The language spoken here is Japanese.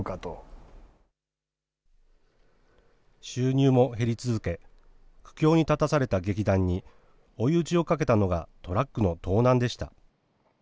収入も減り続け、苦境に立たされた劇団に追い打ちをかけたのが、トラックの盗難でした。